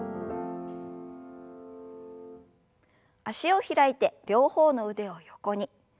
脚を開いて両方の腕を横に。